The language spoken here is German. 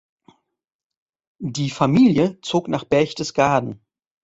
Die Familie zog nach Berchtesgaden.